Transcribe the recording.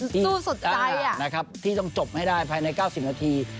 สู้สุดใจนะครับที่ต้องจบให้ได้ภายใน๙๐นาที